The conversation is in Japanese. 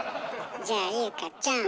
じゃあ優香ちゃん